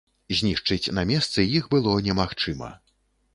Знішчыць на месцы іх было немагчыма.